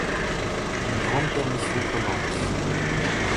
Une grande permission commence...